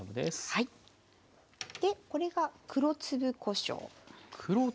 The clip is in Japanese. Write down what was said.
でこれが黒粒こしょう。